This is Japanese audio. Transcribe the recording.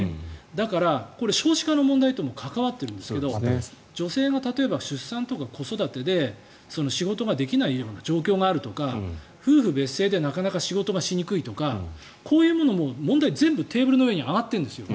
だから、少子化の問題とも関わっているんですが女性が例えば出産とか子育てで仕事ができないような状況があるとか夫婦別姓でなかなか仕事がしにくいとかこういうものも問題全部テーブルの上に上がってるんですよ。